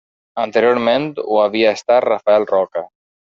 Anteriorment ho havia estat Rafael Roca.